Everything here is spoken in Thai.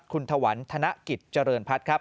คุณถวันธนกิจเจริญพัฒน์ครับ